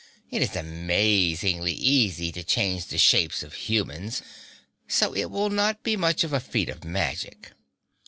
It is amazingly easy to change the shapes of humans, so it will not be much of a feat of magic.